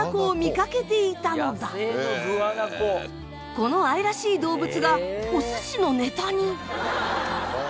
この愛らしい動物がお寿司のネタに。